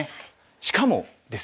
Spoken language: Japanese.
しかもですよ